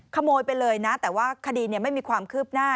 ขโมยไปเลยนะแต่ว่าคดีไม่มีความคืบหน้า